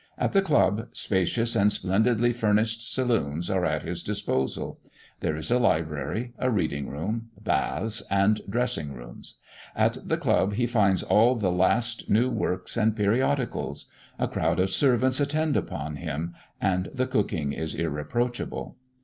At the club, spacious and splendidly furnished saloons are at his disposal; there is a library, a reading room, baths, and dressing rooms. At the club he finds all the last new works and periodicals; a crowd of servants attend upon him; and the cooking is irreproachable.